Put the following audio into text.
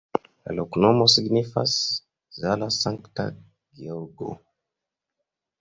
La loknomo signifas: Zala-Sankta Georgo.